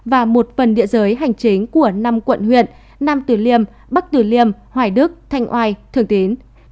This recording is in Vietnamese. và một phần địa giới hành chính của năm quận huyện nam tử liêm bắc tử liêm hoài đức thanh oai thường tín